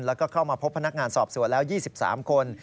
แล้วก็เข้ามาพบพนักงานสอบสวนแล้ว๒๓คน